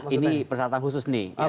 ini persyaratan khusus nih